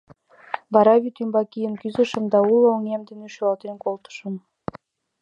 Вара вӱд ӱмбак ийын кӱзышым да уло оҥем дене шӱлалтен колтышым.